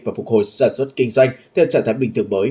và phục hồi sản xuất kinh doanh theo trạng thái bình thường mới